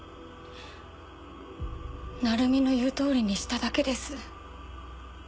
鳴海の言うとおりにしただけです。